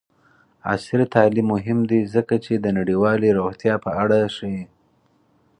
عصري تعلیم مهم دی ځکه چې د نړیوالې روغتیا په اړه ښيي.